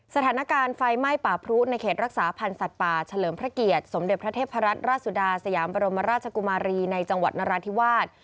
สถานการณ์ไฟไหม้ป่าพรุในเขตรักษาพันธ์สัตว์ป่าเฉลิมพระเกียรติสมเด็จพระเทพรัตนราชสุดาสยามบรมราชกุมารีในจังหวัดนราธิวาส